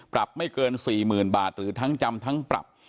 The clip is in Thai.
ปรับไม่เกิน๔๐๐๐บาทหรือทั้งจำทั้งปรับ